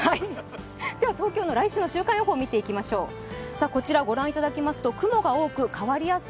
東京の来週の週間予報を見ていきます。